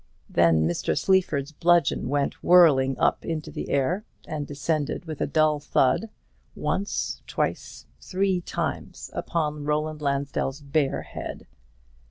Then Mr. Sleaford's bludgeon went whirling up into the air, and descended with a dull thud, once, twice, three times upon Roland Lansdell's bare head.